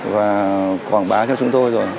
và quảng bá cho chúng tôi rồi